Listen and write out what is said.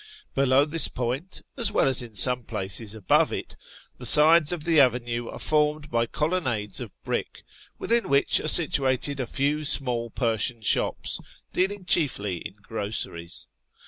Below this point, as well as in some places above it, the sides of the avenue are formed by colonnades of brick, within which are situated a few small Persian shops, dealing chiefly in groceries.